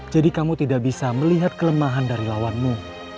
jadi kamu tidak bisa melihat kelemahan dari lawanmu